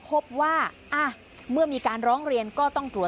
สุดทนแล้วกับเพื่อนบ้านรายนี้ที่อยู่ข้างกัน